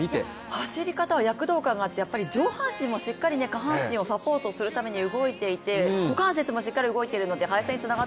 走り方は躍動感があって、上半身もしっかり下半身をサポートするために動いていて股関節もしっかり動いているので。